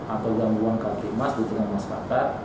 atau gangguan kaki emas di tengah mas kakak